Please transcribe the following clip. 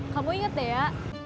kamu inget dea